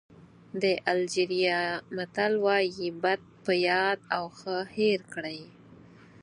د الجېریا متل وایي بد په یاد او ښه هېر کړئ.